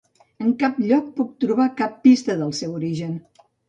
En cap lloc puc trobar cap pista del seu origen.